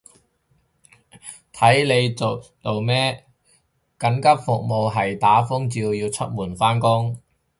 睇你係做咩，緊急服務係打風照要出門返工